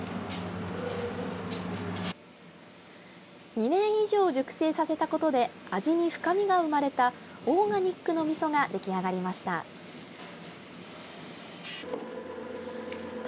２年以上熟成させたことで味に深みが生まれたオーガニックのみそが出来上がりました。